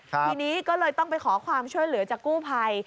ทีนี้ก็เลยต้องไปขอความช่วยเหลือจากกู้ภัย